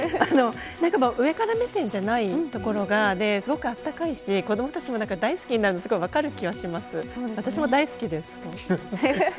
上から目線じゃないところがすごく温かいし、子どもたちも大好きになるのは分かる気がします。